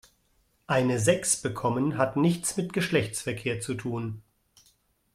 Eine Sechs bekommen hat nichts mit Geschlechtsverkehr zu tun.